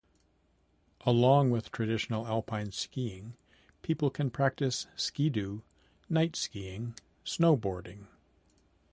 Along with traditional alpine skiing, people can practice ski-doo, night skiing, snow boarding.